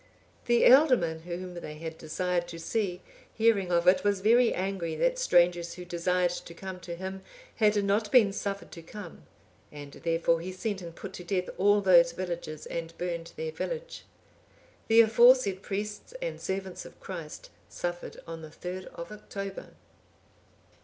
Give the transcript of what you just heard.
The ealdorman, whom they had desired to see, hearing of it, was very angry that strangers who desired to come to him had not been suffered to come; and therefore he sent and put to death all those villagers and burned their village. The aforesaid priests and servants of Christ suffered on the 3rd of October.